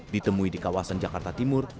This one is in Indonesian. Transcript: ditemui di kawasan jakarta timur